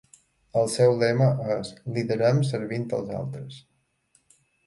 El seu lema és "liderem servint els altres".